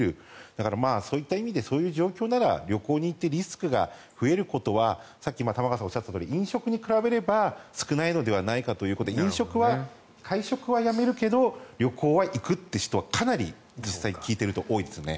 だから、そういった意味でそういう状況なら旅行に行ってリスクが増えることはさっき玉川さんがおっしゃったように飲食に比べれば少ないのではないかということで飲食は、会食はやめるけど旅行は行くという人はかなり実際、聞いていると多いですね。